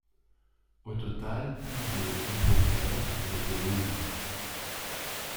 Au total, plus de exemplaires ont été vendus.